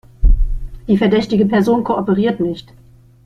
Die verdächtige Person kooperiert nicht.